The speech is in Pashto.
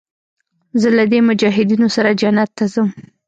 زه له دې مجاهدينو سره جنت ته ځم.